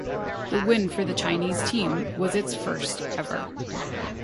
The win for the Chinese team was its first ever.